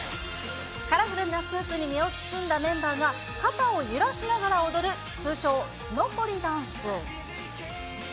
カラフルなスーツに身を包んだメンバーが、肩を揺らしながら踊る、通称、スノホリダンス。